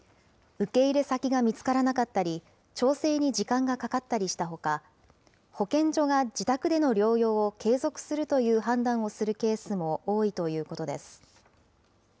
受け入れ先が見つからなかったり、調整に時間がかかったりしたほか、保健所が自宅での療養を継続するという判断をするケースも多いということです。